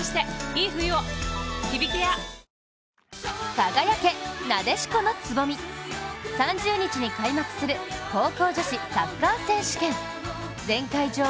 輝け、なでしこのつぼみ、３０日に開幕する高校女子サッカー選手権。